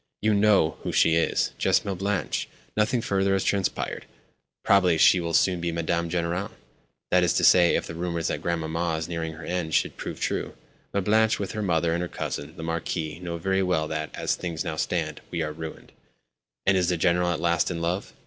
"You know who she is—just Mlle. Blanche. Nothing further has transpired. Probably she will soon be Madame General—that is to say, if the rumours that Grandmamma is nearing her end should prove true. Mlle. Blanche, with her mother and her cousin, the Marquis, know very well that, as things now stand, we are ruined." "And is the General at last in love?"